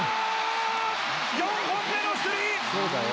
４本目のスリー！